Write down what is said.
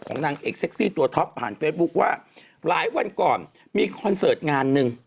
นางเอกเซ็กซี่ตัวท็อปผ่านเฟซบุ๊คว่าหลายวันก่อนมีคอนเสิร์ตงานหนึ่ง